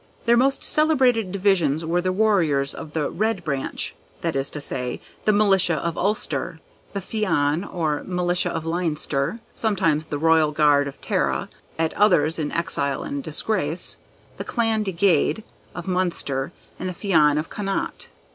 Their most celebrated divisions were the warriors of the Red Branch—that is to say, the Militia of Ulster; the Fiann, or Militia of Leinster, sometimes the royal guard of Tara, at others in exile and disgrace; the Clan Degaid of Munster, and the Fiann of Connaught.